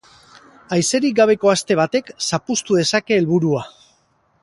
Haizerik gabeko aste batek zapuztu dezake helburua.